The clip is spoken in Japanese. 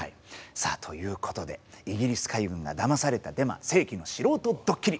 さあということでイギリス海軍がだまされたデマ世紀のシロウトドッキリ！